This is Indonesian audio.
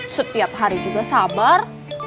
setiap hari kita sabar